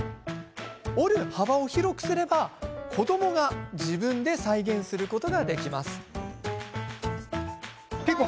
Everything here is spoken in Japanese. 折る幅を広くすれば子どもたちが自分で再現することができます。